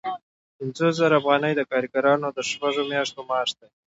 پنځوس زره افغانۍ د کارګرانو د شپږو میاشتو معاش دی